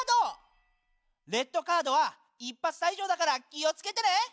レッドカードは一発退場だから気をつけてね！